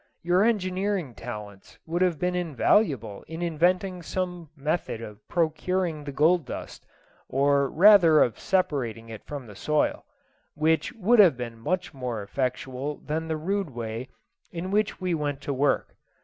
Your engineering talents would have been invaluable in inventing some method of procuring the gold dust, or rather of separating it from the soil, which would have been much more effectual than the rude way in which we went to work.